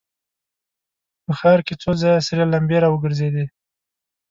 په ښار کې څو ځايه سرې لمبې را وګرځېدې.